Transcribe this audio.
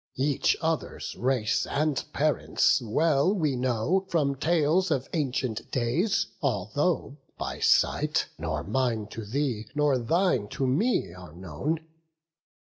Each other's race and parents well we know From tales of ancient days; although by sight Nor mine to thee, nor thine to me are known.